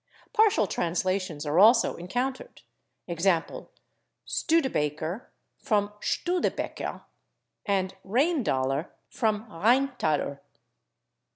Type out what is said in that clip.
Partial translations are also encountered, /e. g./, /Studebaker/ from /Studebecker/, and /Reindollar/ from /Rheinthaler